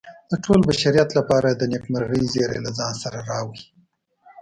د ټول بشریت لپاره یې د نیکمرغۍ زیری له ځان سره راوړ.